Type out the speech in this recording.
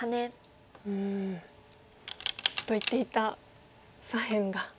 ずっと言っていた左辺が。